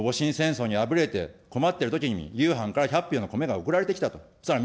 これね、戊辰戦争に敗れて困っているときに夕飯から１００俵の米がおくられてきたと。